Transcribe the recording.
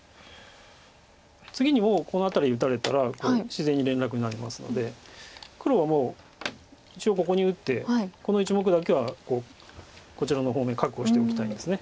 次にもうこの辺り打たれたら自然に連絡になりますので黒はもう一応ここに打ってこの１目だけはこちらの方面確保しておきたいんです。